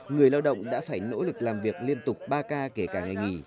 người lao động đã phải nỗ lực làm việc liên tục ba k kể cả ngày nghỉ